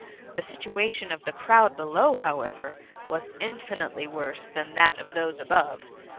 The si^ tuation of the crowd below, however, was in&> nitely worse than that of those above.